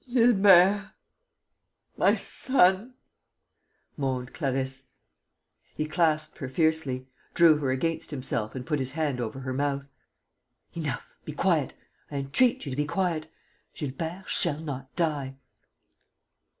"Gilbert ... my son ..." moaned Clarisse. He clasped her fiercely, drew her against himself and put his hand over her mouth: "Enough! Be quiet!... I entreat you to be quiet.... Gilbert shall not die...."